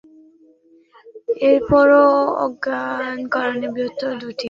এরপরও অজ্ঞাত কারণে বৃহত্তর দুটি বিভাগকে সরকার কোম্পানি করার প্রক্রিয়া শুরু করেছে।